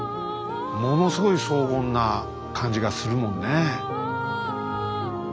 ものすごい荘厳な感じがするもんね。